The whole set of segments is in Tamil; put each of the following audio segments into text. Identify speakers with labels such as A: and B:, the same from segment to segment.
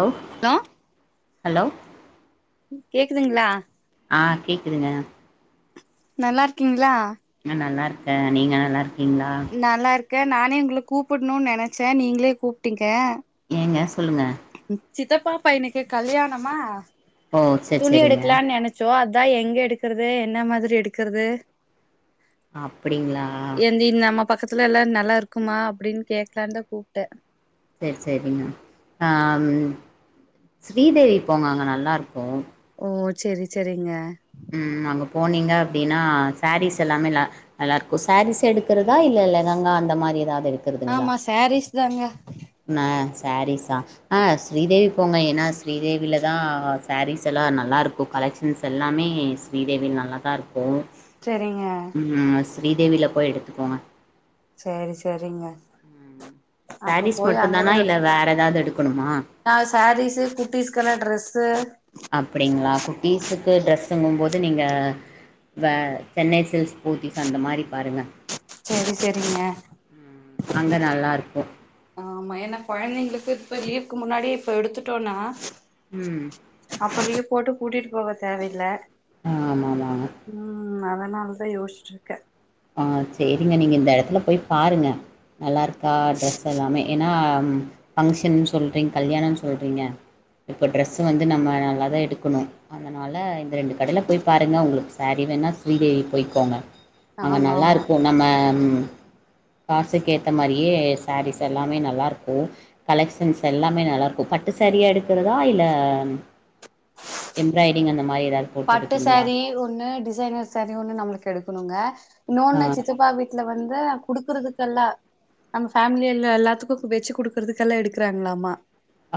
A: ஹலோ
B: லோ
A: ஹலோ
B: கேக்குதுங்களா
A: ஆ கேக்குதுங்க
B: நல்லா இருக்கீங்களா
A: நல்லா இருக்கேன் நீங்க நல்லா இருக் ன்னா
B: கே நானே உங்களை கூப்பிடணும்ன்னனு நெனைச்சே நீங்களே கூப்பிட்டீங்க
A: எஸ் சொல்லுங்க
B: சித்தப்பா பையனுக்கு கல்யாணமா
A: ஓ சேரி
B: துணி
A: சேரிங்க
B: எடுக்கலான்னு நெனைச்சோ அது அதான் எங்க எடுக்கிறது என்ன மாதிரி எடுக்கிறது
A: அப்படிங்களா
B: பக்கத்துல எல்லா நல்லா இருக்குமா அப்டின்னு கேக்கலான்னுதா கூப்ட்டேன்
A: செரி செரிங்க அ ம் ஸ்ரீதேவிப்போங்க அங்க நல்லா இருக்கும்
B: ஓ செரி செரிங்க
A: உம் அங்க போனீங்க அப்படின்னா சாரீஸ் எல்லாமே ந நால்லா இருக்கும் சாரீஸ் எடுக்கிறதா இல்ல லெகங்கா அந்த மாதிரி ஏதாவுது
B: ஆமா சாரிஸ் இதாங்கா
A: நா சாரீஸசா ஆஹ ஹா ஸ்ரீதேவி போங்க ஏன்னா ஸ்ரீதேவியில தான் ஸாரீஸ் எல்லாம் நல்லருக்கும் கலெக்ஷன்ஸ் எல்லாமே ஸ்ரீதேவியில நல்லா தான் இருக்கும்
B: செரிங்க
A: ஸ்ரீதேவியில போய் எடுத்துக்கோங்க
B: செரி செரிங்க அப்ப
A: சாரீஸ்
B: போய்
A: மட்டுந்தானா
B: அங்கதான்
A: இல்ல
B: எடுக்கல
A: வேற ஏதாவது எடுக்கணுமா
B: நாங்க சாரீஸ்சு குட்டீஸ் எத்தன டெரெஸ்சு
A: க்கு டிரஸ்ங்கும் போது நீங்க வே சென்னை சில்ஸ் போத்திஸ் அந்த மாதிரி பாருங்க
B: சரி சரிங்க
A: அங்க நல்லா இருக்கு
B: க்கு இப்ப லீவுக்கு முன்னாடி இப்ப எடுத்துட்டோம்னா
A: உம்
B: அப்பே லிவு போட்டு கூட்டிட்டு போக தேவையில்ல
A: ஆஹ ஆமா ஆமா ஆமா
B: நா அதான் யோஸ்ட்டு இருக்கே
A: ஆ செரிங்க நீங்கள் இந்த இடத்துல போய் பாருங்கள் நல்லாருக்கும் ஹா ட்ரெஸ் எல்லாமே ஏன்னா ம் ஃபங்க்ஷன் சொல்றீங்க கல்யாணம்னு சொல்றீங்க இப்போ டெரெஸ் வந்து நம்ம நல்லா தான் எடுக்கணும் அதனால இந்த ரெண்டு கடையில போய் பாருங்க உங்களுக்கு சாரி வேணா ஸ்ரீதேவிக்போய்கோங்க அங்க
B: ஆமா
A: நல்லா
B: ஆமா
A: இருக்கும் நம்ம காசுக்கேதமரியே சாரீஸ் எல்லாமே நல்லா இருக்கும் கலக்சன்ஸ் எல்லாமே நல்லாயிருக்கு பட்டுசரியா எடுக்குறத இல்ல எம்ரய்டிங் அந்த மாதிரியா
B: பட்டு சோரீ ஒண்ணு டிசைனர் சரீ ஒண்ணுனு நம்மளுக்கு எடுக்கும் சொண்ணுங்கா
A: ஆ
B: இன்னொன்னு சித்தப்பா வீட்ல வந்து குடுக்குறதுக்கெல்லாம் நம்ம ஃபேமிலியல எல்ல எல்லாத்துக்கும் வச்சு குடுக்குறதுக்கெல்லாம் எடுக்குறாங்களாமா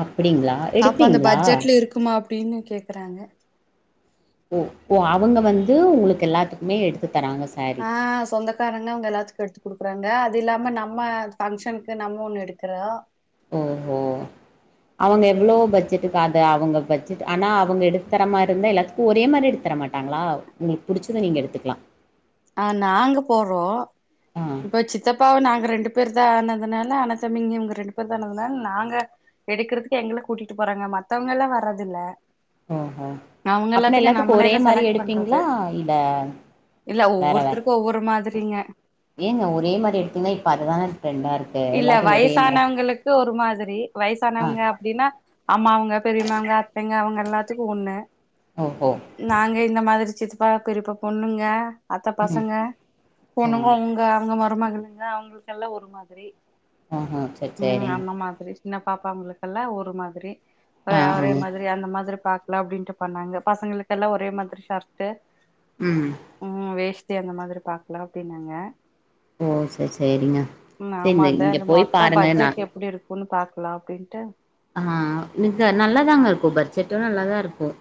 A: அப்படிங்கள எடுப்பீங்களா
B: அப்படின்னு கேக்கறாங்க
A: ஓ ஓ அவங்க வந்து உங்களுக்கு எல்லத்துக்குமே எடுத்து தராங்க சாரீ
B: ஆஹ் சொந்தக்காரங்கன அவங்க எல்லாத்துக்கும் எடுத்து கொடுக்கும் கொடுக்குறாங்க அது இல்லாம நம்மா பங்க்ஷனுக்கு நம்ம ஒண்ணு எடுக்கறோம்
A: ஓஹோ அவங்க எவ்வளோ பட்ஜெட்டுக்கு அத அவங்க பட்ஜெட் ஆனா அவங்க எடுத்து தர மாதிரி இருந்தா எல்லாத்துக்கும் ஒரே மாதிரி எடுத்து தர மாட்டாங்களா உங்களுக்கு புடிச்சதை நீங்க எடுத்துக்கலாம்
B: ஆஹ் நாங்க போவோம்
A: ஆ
B: இப்ப சித்தப்பாவ நாங்க அங்க ரெண்டு பேர் தான் ஆனதுனால அண்ணன் தம்பிங்க அவங்க ரெண்டு பேர் ஆனதுனால நாங்க எடுக்கறிதுக்கு எங்களை கூட்டிட்டு போறாங்க மத்தவங்க எல்லாம் வர்து இல்ல
A: ஓஓ அப்புனா எல்லாத்துக்கும் ஒரே
B: நம்மளேதா
A: மாதிரி
B: செலக்ட் பண்றது
A: எடுப்பீங்களா இல்ல
B: இல்ல
A: வேற வேற
B: ஒவ்வொருத்தருக்கும் ஒவ்வொரு மாதிரி இல்ல
A: ஏங்க ஒரே மாதிரி எடுத்தீங்க இப்ப அதுதானே
B: இல்ல வயசானவங்களுக்கு ஒரு மாதிரி
A: ஆ
B: வயசானவங்க அப்படின்னா அம்மாவுங்க பெரியமாவுங்க அத்தைக இல்லா அவங்க எல்லாத்துக்கும் ஒண்ணு
A: ஓஹோ
B: நாங்க இந்த மாதிரி சித்துப்பா பெரியப்பா சித்தப்பா சித்தப்பா பொண்ணுங்க அத்த
A: ம்
B: பசங்க
A: ஓ
B: பொண்ணுங்க உங்க அங்க ம மருமகளுங்க அவங்களுக்கெல்லாம் ஒரு மாதிரி
A: ஆஹ அஹ சரி
B: ம்
A: சரிங்க
B: அந்த மாதிரி சின்ன பாப்பாவங்களுக்கெல்லாம் ஒரு மாதிரி
A: ஆ
B: ஒரே
A: ம்
B: மாதிரி அந்த மாதிரி பாக்கல அப்படின்ட்டு பண்ணாங்க பசங்களுக்கெல்லாம் ஒரே மாதிரி ஷர்ட்டு
A: உம்
B: சி அந்த மாதிரி பார்க்கலாம் அப்படினாங்கா
A: ஓ சரி சரிங்க சரி சரி
B: அத மொத்தம் பட்ஜெட் எப்படி இருக்கு பொண்ணு பாக்கலாம் அப்படின்ட்டு
A: ஆஹ இங்க நல்லாதாங்க இருக்கும் பட்ஜெட்டும் நல்லாதா இருக்கும்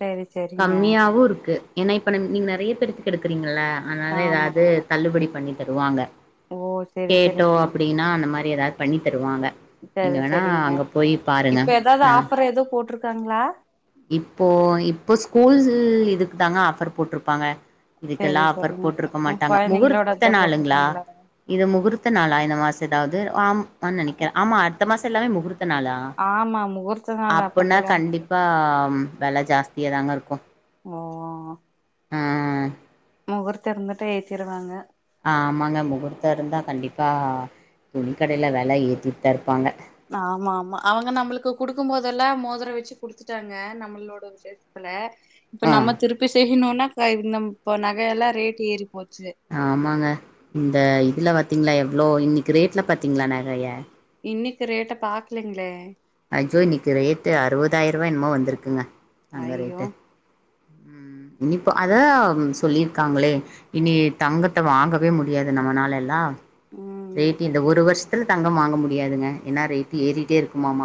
B: சேரி சேரிங்க
A: கம்மியாவும் இருக்கு ஏன்னா இப்ப நீங்க நிறைய டிரஸ் எடுக்குறீங்க இல்ல ஆனால
B: ஆமா
A: ஏதாவது
B: ஆமா
A: தள்ளுபடி பண்ணிட்டு தருவாங்க
B: ஓ சேரி
A: கேட்டோம்
B: சேரிங்க
A: அப்டின்னா அந்த மாதரி ஏதாவது பண்ணி தருவாங்க நீங்க
B: சேரி
A: வேணா
B: சேரிங்க
A: அங்க போயி் பாருங்க ஆ
B: காங்களா
A: இப்போ இப்போ ஸ்கூல்சு இதுக்கு தாங்க ஆஃபர் போட்டிருப்பாங்க
B: சேரி
A: இதுக்கெல்லாம் ஆஃபர்
B: சேரிங்க
A: போட்டுருக்க
B: ம்
A: மாட்டாங்க
B: கொழந்தைங்களோட
A: முகூர்த்த
B: இதா
A: நாளுங்களா
B: போட்ருக்காங்களா
A: இது முகூர்த்த நாளா இந்த மாசம் எதாவது ஆம் ப்பான்னு நெனைக்கிற ஆமா இந்த மாச எல்லாமே முகூர் த்து நாளா
B: ஆமா முகூர்த்த நாள் அப்ப
A: அப்பன்னா கண்டிப்பா
B: கல்யாணத்துக்கு
A: வெல ஜாஸ்தியா தாங்க இருக்கும்
B: ம் ம்
A: [inaudible]
B: முகூர்த்தயிருந்துட்ட ஏத்திடுவாங்க
A: ஆமாங்க முகூர்த்தம் இருந்தா கண்டிப்பா துணிக்கடயில வில ஏத்திட்டு தான் இருப்பாங்க
B: ஆமா ஆமா அவங்க நம்மளுக்கு குடுக்கும் போதெல்லாம் மோதரம் வச்சு குடுத்துட்டாங்க நம்மளோட விஷேஷத்துல இப்ப
A: ஆ
B: நம்ம திருப்பி செய் இன்னொன்னா ப்ப இந்த நகையெல்லாம் ரேட் ஏறி போது
A: ஆமாங்க இந்த இதுல பாத்தீங்களா ஹலோ இன்னைக்கு ரேட்டில பாத்தீங்களா நகைய
B: இன்னைக்கி ரேட்ட பாக்கலைங்களே
A: அஜ்ஜோ இன்னைக்கு ரேட்டு அறுபதாயி ரூபாய் என்னமோ வந்திருக்குங்க தங்க
B: ஐயோ
A: ரேட்டு ம் இனிப்ப அதா சொல்லியிருக்காங்களே இனி தங்கத்தை வாங்கவே முடியாது நம்மனால எல்லாம்
B: ம்
A: ரேட்டு இந்த ஒரு வருஷத் தில் தங்கம் வாங்க முடியாதுங்க ஏன்னா ரேட்டு ஏறிகிட்டே இருக்குமாம்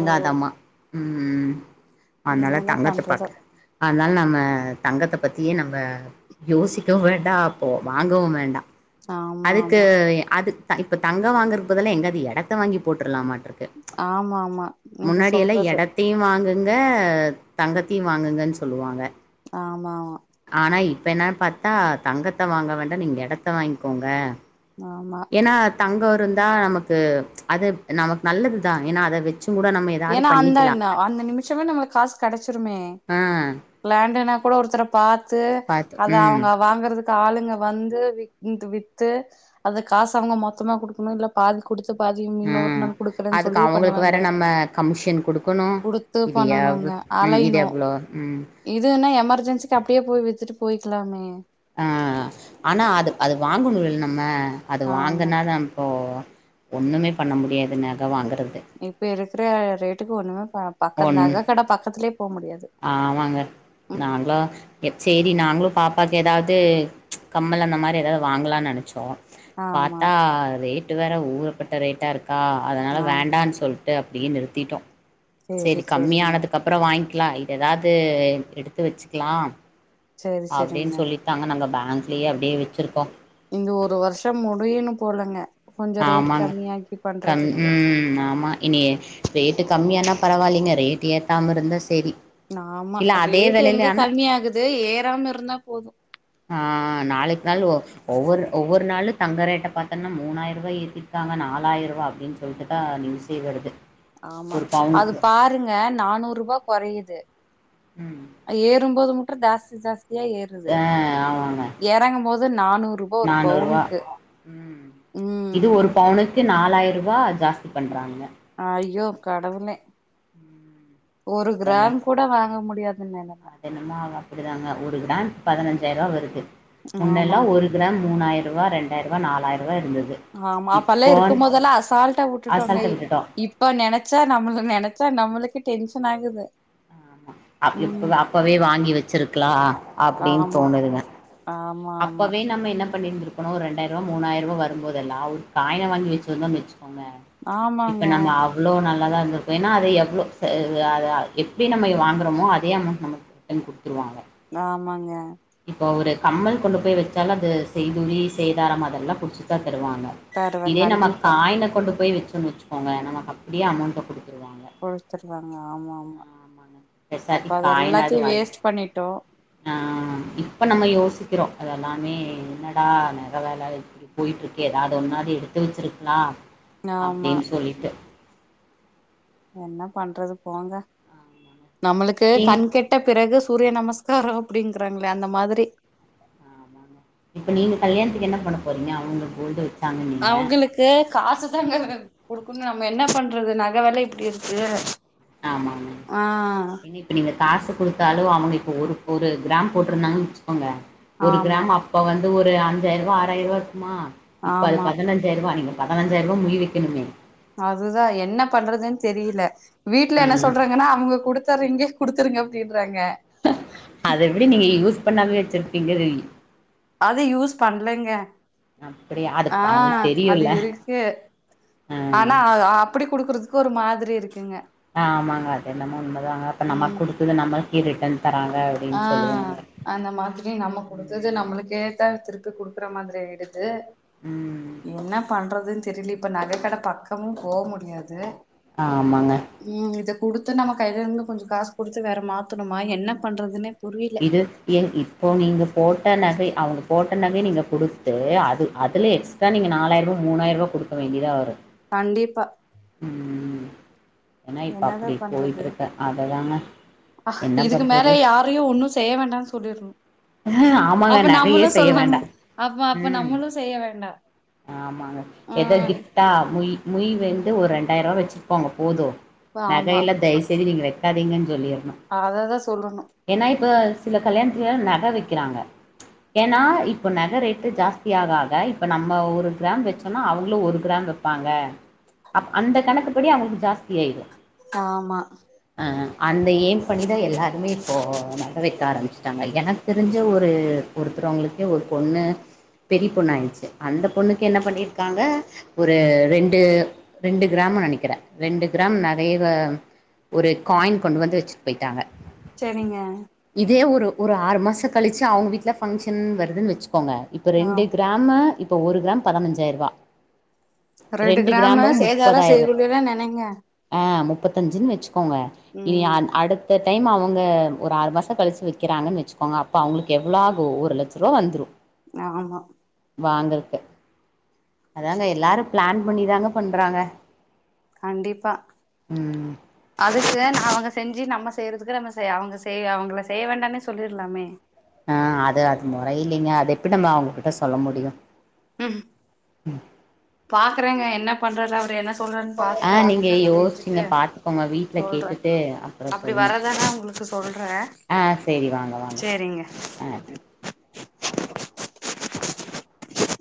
B: ஓ
A: ம் ம் அதனால
B: என்னதா
A: தங்கத்த
B: பண்றது
A: பாக் அதனால நம்ம தங்கத்தை பத்தியே நம்ம யோசிக்கவும் வேண்டாம் ப்போ வாங்கவும் வேண்டாம்
B: ஆமா
A: அதுக்கு
B: ஆமா
A: அது இப்ப தங்க வாங்கறக் பதுலா எங்காவது எடத்த வாங்கி போட்டுறலாமாட்
B: ஆமா ஆமா நீங்க
A: முன்னாடி எல்லாம்
B: சொல்றது
A: இடத்தையும் வாங்கு இங்கே தங்கத்தையும் வாங்குங்கன்னு சொல்லுவாங்க
B: ஆமா
A: இப்போ என்ன பாத்தா தங்கத்த வாங்க வேண்டா நீங்க எடத்த வாக்கோங்க
B: ஆமா
A: தங்க இருந்தா நமக்கு அது நமக்கு நல்லது தா ஏனா அத வ
B: ஏன்னா அந்த நா அந்த நிமிஷமே நம்ளுக்கு காசு கெடச்சிருமே
A: ஆ
B: லேண்டுன இப்போ கூட ஒருதர பா பாத்து
A: பாத்து
B: அத
A: ம்
B: அவங்க வாங்கற காளுங்க வந்து வி [unintelligible] வித்து அந்த காசு அவங்க மொத்தமா கொடுகுனோ இல்ல பாதி குடு பாதி இ இன்னொரு
A: ம்
B: நாள் கொடுக்குறேனு
A: அதுக்கு
B: சொல்லி
A: அவங்களுக்கு
B: பண்ணுவாங்க
A: வேற நம்ம கமிஷன் குடுக்கணு
B: கொடுத்து
A: இது எவ்
B: பண்ணணுங்க
A: ம் இது
B: அலையணு
A: எவ்ளோ ம்
B: இதுன்னா எமர்ஜென்சிக்கு அப்டியே போய் வித்துட்டு போய்கலாமே
A: ஆஹ் ஆனா அது அது வாங்கணு இல்ல நம்ம அது
B: ஆமா
A: வாங்கனாலோ இப்போ ஒண்ணுமே பண்ண முடியாது நக வாங்குற
B: இப்ப இருக் ப்பே ரேட்டுக்கு ஒன்னு ஆ பக்க
A: ஒன்
B: நக கட பக்கத்லே
A: ஆமாங்க நாங்லோ எ சேரி நாங்கலோ பாப்பா ஏதாவது கம்மல் அந்த மாரி ஏதாவது வாங்கலானு நெனச்சோ
B: ஆமா
A: பாத்தா ரேட் [unintelligible] வேற ஊரப்பட்ட ரேட்டா இருக் கா அதனால வேண்டான்
B: ஆமாங்க
A: சொல்ட்டு அப்டின் நிறு திட்டோ
B: சேரி
A: செரி
B: சேரிங்க
A: கம்மியானதுக்கு அப்றோ வாங் லைவ் ஏதாவது எடுத்து வச்சுக்கலாம்
B: சேரி
A: அப்டின்
B: சேரிங்க
A: சொல்லித்தாங்க நாங்க பே பேக்ங்லேயே அப்டியே வச்சுருக்கோ
B: இந்த ஒரு வருஷம் முடியனு போலங்க கொஞ்சோ ரேட்
A: ஆமாங்க
B: கம்மியாக்கி
A: கம்
B: பண்றதுக்கு
A: உம் ஆமா இனி ரேட்டு கம்மியானா பரவாயில்லிங்க ரேட்டு் ஏத்தாம இருந்தா செரி
B: ஆமா ரேட் எங்க கம்மிய ஆகுது ஏறாம இருந்தா போதோ
A: ஆ நாளைக்கு நாள் ஒ ஒவ்வொரு ஒவ்வொரு நாளு தங்க ரேட்ட பாத்தோன மூணாயிர [unintelligible] ஏத்திருகாங்க நாலாயிரரூபா அப்டின் சொல்ட்டுதா நியூஸே வருது
B: ஆமா
A: ஒரு
B: அது
A: பவுனுக்கு
B: பாருங்க நானூறு ரூபா கொறயுது
A: ம்
B: அ ஏறும்போது ப்பறம் ஜாஸ்தி ஜாஸ் ஏறுது
A: ஆ ஆமாங்க
B: இறங்கும் போது நானூறு ரூபா ஒரு
A: நானூறுவா
B: பவுனுக்கு உம்
A: நாலாயர்ரூவா ஜாஸ்தி பண்றாங்க
B: அய்யோ கடவுளே
A: ம்
B: ஒரு
A: அதல்ல
B: கிராம் கூட வாங்க முடி அ நெலம
A: அதுதாங்க ஒரு கிராம் பதினஞ்சாயர்ரூவா வருது முன்னெல்லாம்
B: ஆமாங்க
A: ஒரு கிராம் மூணாயிரம் ரூவா ரெண்டாயிர்ரூவா நாலாயர்ரூவா [unintelligible]
B: ஆமா அப்பல்லா இருக்கும்போதெல்லா அசால்ட்டா விட்டுட்டோங்க
A: அசால்ட்டா விட்டுட்டோ
B: இப்ப நெனைச்சா நம்மள நெனைச்சா நம்மளுக்கே டென்ஷன் ஆகுது
A: அப் இப்ப
B: ம்
A: அப்பவே வாங்கி வச்சிருக்கலா அப்டின்னு
B: ஆமா
A: தோணுதுங்க
B: ஆமா ஆமா
A: அப்பவே நம்ம என் என்ன பண்ணிருந்திருக்கணு ஒரு ரெண்டாயர்ரூவா மூணாயர்ரூவா வரும்போதல்லா ஒரு காயின வாங்கி வச்சு இருந்தோன்னு வச்சுக் நம்ம இப்ப
B: ஆமாங்க
A: நம்ம அவ்ளோ நல் நல்லா இருந்திருக்கு ஏன்னா அது எவ்ளோ ச அது அது எப்டி நம்ம வாங்குறோமோ அதே அமௌண்ட் நமக்கு ரிட்டன் குடுத் த்துருவாங்க
B: ஆமாங்க
A: இப்ப ஒரு கம்மல் கொண்டு போய் வச்சாலு அது செய்கூலி சேதாரம் அதெல்லா புடிச்சுட்டுதா தருவாங்க
B: தருவ
A: இதே நம்ம
B: கண்டிப்பா
A: காயின கொண்டு போய் வச்சோன்னு வச்சுக்கோங்க நமக்கு அப்டியே அமௌண்ட குடுக்
B: குடுத்துருந்தாங்க ஆமா ஆமா
A: ஆமாங்க
B: அப்ப
A: பெசாட்டி
B: அத
A: காயினாது
B: எல்லாத்தையு
A: வாங்கி
B: வேஸ்ட் பண்ணிட்டோ
A: ஆ இப்ப நம்ம யோசிச்சு க்கிறோ அதெல்லாமே என்னடா நக வெல இப்டி போயிட்டு இருக்கு ஏதாவது முன்னாடி எடுத்து வச்சிருக்கலா
B: ஆமா
A: அப்டின்னு சொல்லிட்டு
B: என்ன பண்றது போங்க
A: ஆமாங்க.
B: நம்மளுக்கு
A: நீங்
B: கண் கெட்ட பிறகு சூ சூரிய நமஸ்காரோ அப்டிங்கிறாங்களே அந்த மாதிரி
A: ஆமாங்க. இப்ப நீங்க கல்யாணத்துக்கு என்ன பண்ண போறீங்க அவுங்க
B: அவுங்களுக்கு காசு அதாங்க குடுக்கணு நம்ம என்ன பண்றது நக வெல இப்டி இருக்கு
A: ஆமா ஆமா
B: ஆ
A: ஏன்னா இப்ப நீங்க காசு குடுத்தாலு அவங்க இப்போ ஒரு ஒரு கிராம் போட்ருந்தாங்கன்னு வெச் மாங்க ஒரு
B: ஆமா
A: கிராம் அப்ப வந் து ஒரு அஞ்சாயர்ரூவா ஆறாயர்ரூவா ம்மா இப்ப அது
B: ஆமா
A: பதினஞ்சாயர்ரூவா அதிகோ பதினஞ்சாயர்ரூவா முய் வைக்கணுமே
B: அதுதா என்ன பண்றதுன்னு தெரியல வீட்ல என்ன
A: ம்.
B: சொல்றாங்கன்னா அவங்க குடுத்த ரிங்கே குடுத்துருங்க அப்டின்றாங்க
A: அத எப்டி நீங்க யூஸ் பண்ணாமே வச்சிருப்பீங்க அது
B: அது யூஸ் பண்லங்க
A: அப்படியா அது அவங்களுக்கு
B: ஆஹ் அது
A: தெரியுல்ல
B: இருக்கு
A: ஆ
B: ஆனா அது அப்பிடி குடுக்குறது ஒரு மாதிரி இருக்குங்க
A: ஆமாங்க அது என்னமோ உண்ம ர்றாங்க அப்ப நம்ம குடுத்தது நம்ம இது
B: ஆஹ் அந்த மாதிரி நம்ம குடுத்தது
A: ம்
B: நம்மளுக்கேதா திரு த்து குடுக்குற மாதிரி எடுத் து
A: ம்
B: என்ன பண்றதுன் தெரியல இப்ப நக கடை பக்கமு போ முடியாது
A: ஆமாங்க
B: ம் இத குடுத்து நம்ம கைல இருந்து கொஞ்ச காசு குடுத்து வேற மாத்தணுமா என்ன பண்றதுன்னே புரியல
A: இது ஏ இப்போ நீங்க போட்ட நகை அவங்க போட்ட நகைய நீங்க குடுத்து அது அதுல எக்ஸ்ட்ரா நீங்க நாலாயர்ரூவா மூணாயர்ரூவா குடுக்க வேண்டியதா வரு
B: கண்டிப்பா
A: உம்
B: என்னதான் பண்றது
A: அததாங்க
B: அஹ
A: என்ன
B: இதுக்கு
A: பண்றது
B: மேல யாரையும் ஒன்னும் செய்ய வேண்டாம்ன்னு சொல்லிடணும்
A: ஆமாங்க
B: அப்ப
A: நகையே
B: நம்மளும்
A: செய்ய
B: சொல்லாம்
A: வேண்டா
B: அப்ப அப்ப
A: ம்
B: நம்மளும் செய்ய வேண்டாம்
A: ஆமாங்க எதோ கிப்ட்டா முய மொய் வந்து ஒரு ரெண்டாயிரரூபா வச்சுருக்கோங்க போதும் நகை
B: ஆமா
A: எல்லாம் தயச செய்தயு நீங்க வ ங்க சொல்லிருணும்
B: அததா சொல்லணு
A: ஏனா இப்ப சில கல்யாண நகை வைக்கிறாங்க ஏன்னா இப்ப நகை ரேட்டு ஜாஸ்தியாக இப்ப நம்ம ந ஒரு கிராம் வச்சோம்னா அவங்களும் ஒரு கிராம் வைப்பாங்க அந்த கணக்குப்படி அவங்களுக்கு ஜாஸ்தி ஆயினும்
B: ஆமா
A: அந்த ஏம் பண்ணிதான் எல்லாரும் எருே இப்ப நல்ல வைக்க ஆரம்பிச்சு எனக்கு தெரிஞ்ச ஒரு ஒருத்தர்வங்களுக்கே ஒரு பொண்ணு பெரிய பொண்ணு ஆயிடுச்சு அந்த பொண்ணுக்கு என்ன பண்ணியிருக்காங்க ஒரு ரெண்டு ரெண்டு கிராம்னு நினைக்கிறேன் ரெண்டு கிராம் நெறைய ஒரு காயின் கொண்டு வந்து வச்சுட்டு போயிட்டாங்க
B: சரிங்க
A: இதே ஒரு ஒரு ஆறு மாசம் கழிச்சி அவங்க வீடல பங்க்ஷன் வருதுன்னு வச்சு ங்க இப்ப
B: ஆ
A: ரெண்டு கிராம இப்ப இப்ப ஒரு கிராம் பதினஞ்சாயிரம் ரூபா
B: ரெண்டு கிராம சேதாரம் செய்கூலியெல்லாம் நினைங்க
A: பத்தஞ்சன் வெ க்கங்க இனி அடுத்து இந்த டைம் அவங்க ஒரு ஆறு மாதம் கழிச்சு வைக்கிறாங்கன்னு வச்சுக்கோங்க அப்போ அவங்களுக்கு எவ்வளோ ஆகும் ஒரு லட்சரூபா வந்துடும்
B: ஆமா
A: வாங்க அதாங்க எல்லாரும் பிளான் பண்ணிதாங்க பண்றாங்க
B: கண்டிப்பா
A: ம்
B: அதுக்கு அவங்க செஞ்சு நம்ம செய்யறதுக்கு நம்ம செய் அவங்க செய் அவங்களளை செய்ய வேண்டானே சொல்லிடலாமே
A: ஆஹ் அது அது முற இல்லைங்க அதை எப்படி நம்ம அவங்ககிட்ட சொல்ல முடியும்
B: உஹம்
A: உம்
B: பாக்குறேங்க என்ன பண்றாரு அவரு என்ன சொல்றாருன்னு பாத்துட்டு
A: ஆஹ்
B: அந்த
A: நீங்க
B: மாதிரி
A: யோசிச்சீங்க
B: செஞ்சுட்டு
A: பாத்துக்கோங்க வீட்டுல
B: சொல்றே
A: கேட்டுட்டு அப்புறம்
B: அப்டி
A: சொல்லுங்க
B: வரதானா உங்களுக்கு சொல்றே
A: ஆஹ் சரி வாங்க வாங்க
B: சேரிங்க
A: ஆஹ்